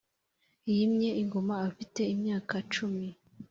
Yimye ingoma afite imyaka cumi